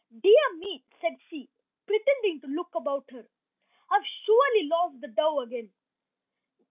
"Dear me," said she, pretending to look about her, "I have surely lost the dough again.